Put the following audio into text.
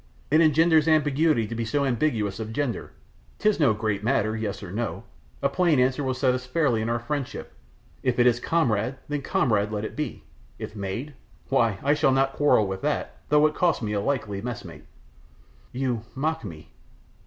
it engenders ambiguity to be so ambiguous of gender! 'Tis no great matter, yes or no, a plain answer will set us fairly in our friendship; if it is comrade, then comrade let it be; if maid, why, I shall not quarrel with that, though it cost me a likely messmate." "You mock me."